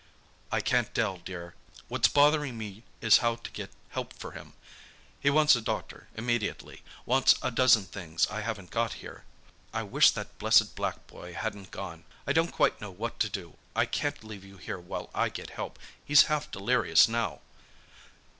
"I can't tell, dear. What's bothering me is how to get help for him. He wants a doctor immediately—wants a dozen things I haven't got here. I wish that blessed black boy hadn't gone! I don't quite know what to do—I can't leave you here while I get help—he's half delirious now."